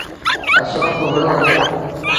اشوڪ وُهڙو هليو۔